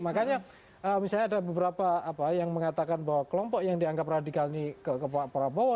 makanya misalnya ada beberapa apa yang mengatakan bahwa kelompok yang dianggap radikal ini ke pak prabowo